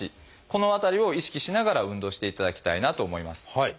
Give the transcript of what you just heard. この辺りを意識しながら運動していただきたいなと思います。